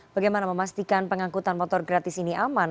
bagaimana memastikan pengangkutan motor gratis ini aman